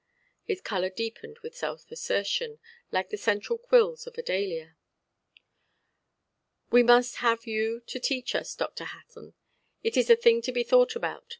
His colour deepened with self–assertion, like the central quills of a dahlia. "We must have you to teach us, Dr. Hutton. It is a thing to be thought about.